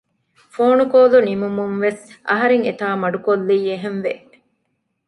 ފޯނުކޯލު ނިމުމުން ވެސް އަހަރެން އެތާ މަޑުކޮއްލީ އެހެނެްވެ